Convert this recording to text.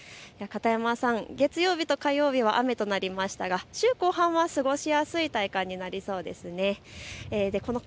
片山さん、月曜日と火曜日は雨となりましたが週後半は過ごしやすい体感になりそうですね。